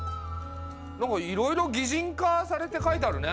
何かいろいろぎじん化されてかいてあるね！